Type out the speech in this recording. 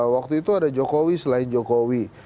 waktu itu ada jokowi selain jokowi